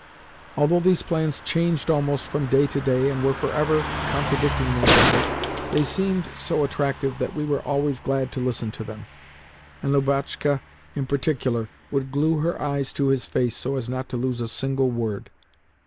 Although these plans changed almost from day to day, and were for ever contradicting one another, they seemed so attractive that we were always glad to listen to them, and Lubotshka, in particular, would glue her eyes to his face, so as not to lose a single word.